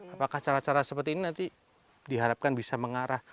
apakah cara cara seperti ini nanti diharapkan bisa mengarah